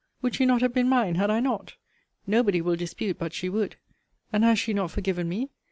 Would she not have been mine had I not? Nobody will dispute but she would. And has she not forgiven me?